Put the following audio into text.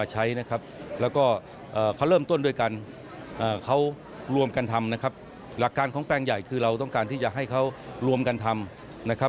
หลักการของแปลงใหญ่คือเราต้องการที่จะให้เขารวมกันทำ